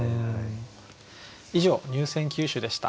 以上入選九首でした。